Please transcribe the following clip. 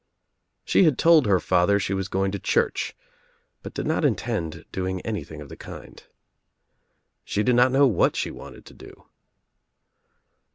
She had told her father she was going to church but did not intend doing any thing of the kind. She did not know what she wanted to do.